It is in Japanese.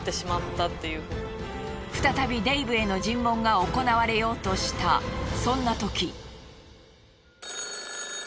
再びデイブへの尋問が行われようとしたそんなとき。